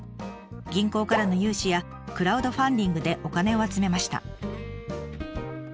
銀行からの融資やクラウドファンディングでお金を集めました。